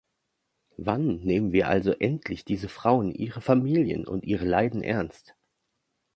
Wann nehmen wir also endlich diese Frauen, ihre Familien und ihre Leiden ernst?